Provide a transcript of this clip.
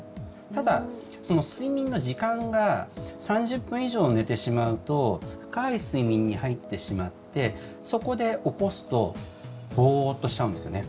ただ、睡眠の時間が３０分以上寝てしまうと深い睡眠に入ってしまってそこで起こすとボーッとしちゃうんですよね。